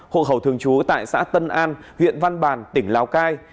hộ khẩu thường trú tại xã tân an huyện văn bàn tỉnh lào cai